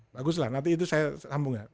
bagus lah nanti itu saya sambung ya